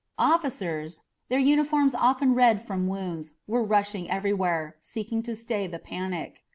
Officers, their uniforms often red from wounds, were rushing everywhere, seeking to stay the panic.